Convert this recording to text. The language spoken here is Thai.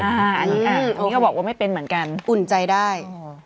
อันนี้ก็บอกว่าไม่เป็นเหมือนกันอุ่นใจได้